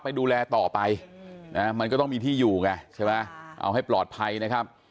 ไปดูแลต่อไปนะมันก็ต้องมีที่อยู่ไงใช่ไหมเอาให้ปลอดภัยนะครับ